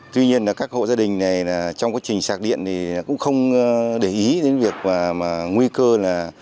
tuy nhiên là các hộ gia đình này trong quá trình sạc điện thì cũng không để ý đến việc mà nguy cơ là